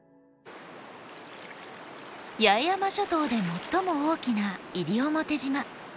八重山諸島で最も大きな西表島。